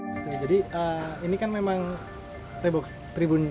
pembangunan tanah di bawah tanah itu akan menyebabkan kegagalan